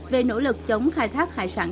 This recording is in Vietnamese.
về nỗ lực chống khai thác hải sản